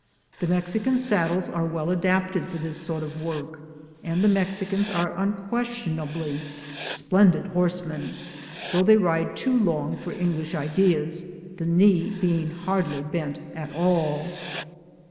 The Mexican saddles are well adapted for this sort of work, and the Mexicans are unques tionably splendid horsemen, though they ride too long for English ideas, the knee being hardly bent at all.